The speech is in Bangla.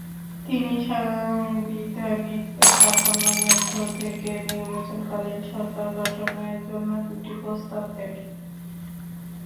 তিনি সাংবিধানিক কাঠামোর মধ্যে থেকে নির্বাচনীকালীন সরকার গঠনের জন্য দুটি প্রস্তাব দেন।